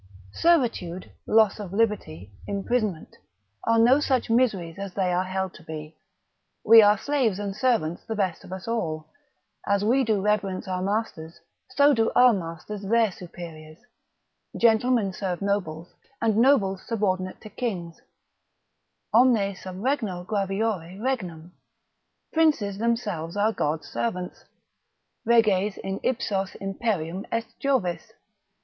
Servitude, loss of liberty, imprisonment, are no such miseries as they are held to be: we are slaves and servants the best of us all: as we do reverence our masters, so do our masters their superiors: gentlemen serve nobles, and nobles subordinate to kings, omne sub regno graviore regnum, princes themselves are God's servants, reges in ipsos imperium est Jovis.